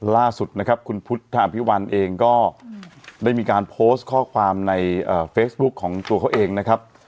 ล่าสุดนะครับคุณพุทธอภิวัลเองก็ได้มีการโพสต์ข้อความในเฟซบุ๊คของตัวเขาเองนะครับ